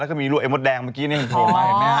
แล้วก็รั่วไอ้มดแดงเมื่อกี้เนี่ยเราพุ่งแย่ไหมครับ